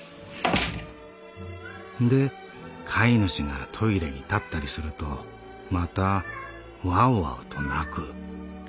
「で飼い主がトイレに立ったりするとまたワオワオと鳴く。